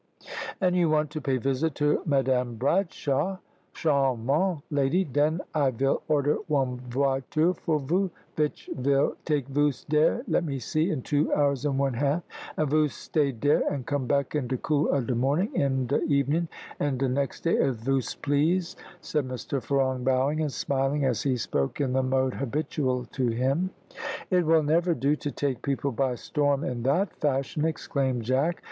"And you want to pay visit to Madame Bradsaw? Charmante lady den I vill order one voiture for vous, vich vill take vous dere, let me see, in two hours and one half; and vous stay dere, and come back in de cool of de morning, or in de evening, or de next day as vous please," said Mr Ferong, bowing, and smiling, as he spoke, in the mode habitual to him. "It will never do to take people by storm in that fashion," exclaimed Jack.